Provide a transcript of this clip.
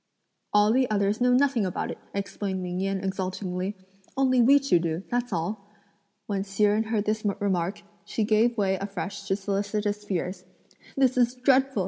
"All the others know nothing about it!" explained Ming Yen exultingly; "only we two do, that's all." When Hsi Jen heard this remark, she gave way afresh to solicitous fears: "This is dreadful!"